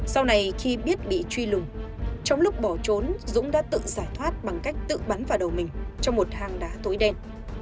sau này khi biết bị truy lùng trong lúc bỏ trốn dũng đã tự giải thoát bằng cách tự bắn vào đầu mình trong một hang đá tối đen